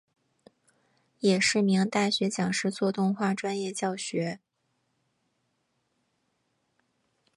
也是名大学讲师做动画专业教学。